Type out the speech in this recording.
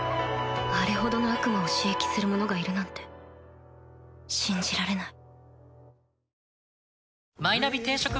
あれほどの悪魔を使役する者がいるなんて信じられない